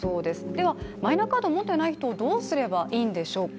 ではマイナカード持ってない人、どうすればいいんでしょうか。